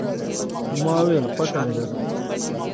ما وویل، خوښه مې ده.